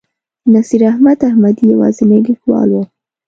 نصیر احمد احمدي یوازینی لیکوال و.